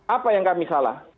apa yang kami salah